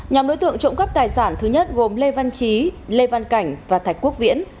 nhóm đối tượng trộm cắp tài sản thứ nhất gồm lê văn trí lê văn cảnh và thạch quốc viễn